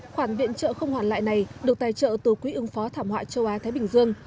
khoản viện trợ không hoàn lại này được tài trợ từ quỹ ương phó thảm họa châu á thái bình dương